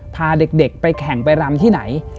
พาเด็กไปแข่งไปรำที่ไหน